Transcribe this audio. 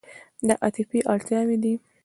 دا عاطفي اړتیاوې دي.